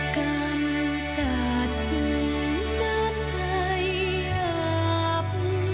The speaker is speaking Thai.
การจัดนับใจหาบ